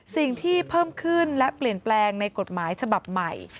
สิ่งที่เพิ่มขึ้นและเปลี่ยนแปลงในกฎหมายฉบับใหม่